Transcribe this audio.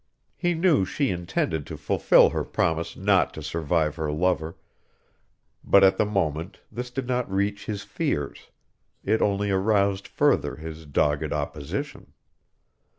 He knew she intended to fulfil her promise not to survive her lover, but at the moment this did not reach his fears; it only aroused further his dogged opposition.